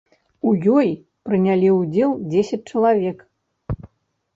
У ёй прынялі ўдзел дзесяць чалавек.